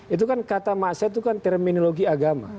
itu kan kata maksa itu kan terminologi agama